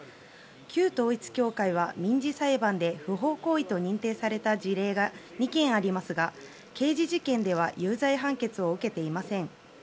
旧統一教会は民事裁判で不法行為と認定された事例が２件ありますが刑事処分では有罪判決を受けていません。